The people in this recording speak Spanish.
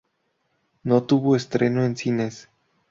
No tuvo estreno en cines.